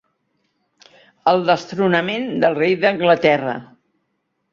El destronament del rei d'Anglaterra.